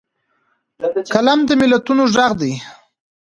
قلم د ملتونو غږ دی